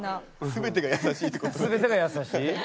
全てが優しい。